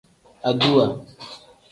Aduwa.